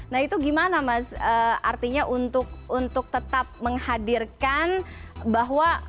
nah itu gimana mas artinya untuk tetap menghadirkan bahwa